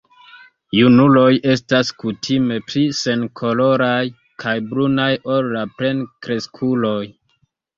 Junuloj estas kutime pli senkoloraj kaj brunaj ol la plenkreskuloj.